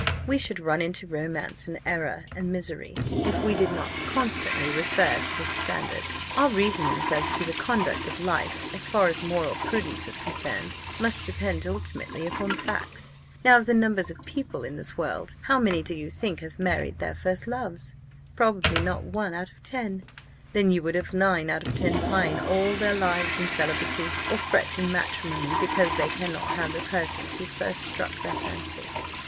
We should run into romance, and error, and misery, if we did not constantly refer to this standard. Our reasonings as to the conduct of life, as far as moral prudence is concerned, must depend ultimately upon facts. Now, of the numbers of people in this world, how many do you think have married their first loves? Probably not one out of ten. Then, would you have nine out of ten pine all their lives in celibacy, or fret in matrimony, because they cannot have the persons who first struck their _fancy?